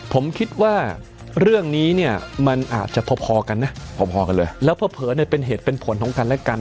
ผมคิดว่าเรื่องนี้เนี่ยมันอาจจะพอพอกันนะพอพอกันเลยแล้วเผลอเนี่ยเป็นเหตุเป็นผลของกันและกัน